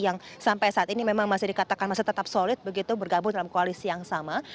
yang sampai saat ini memang masih dikatakan masih tetap solid begitu bergabung dalam koalisi yang sama